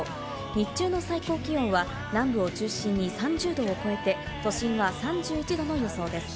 日中の最高気温は、南部を中心に３０℃を超えて都心は３１℃の予想です。